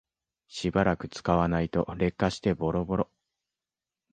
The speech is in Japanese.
しばらく使わないと劣化してボロボロ